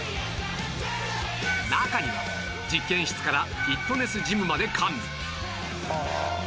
中には実験室からフィットネスジムまで完備